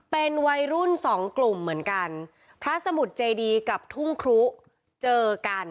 เป็นวัยรุ่นสองกลุ่มเหมือนกันพระสมุทรเจดีกับทุ่งครุเจอกัน